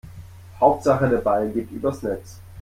Hauptsache der Ball geht übers Netz.